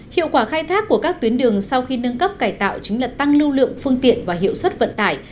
hiệu quả khai thác của các tuyến đường sau khi nâng cấp cải tạo chính là tăng lưu lượng phương tiện và hiệu suất vận tải